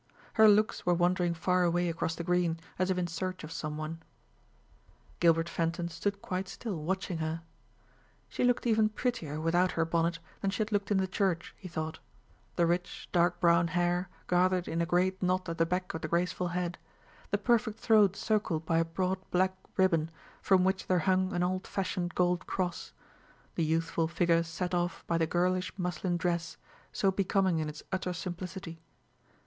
Her looks were wandering far away across the green, as if in search of some one. Gilbert Fenton stood quite still watching her. She looked even prettier without her bonnet than she had looked in the church, he thought: the rich dark brown hair gathered in a great knot at the back of the graceful head; the perfect throat circled by a broad black ribbon, from which there hung an old fashioned gold cross; the youthful figure set off by the girlish muslin dress, so becoming in its utter simplicity.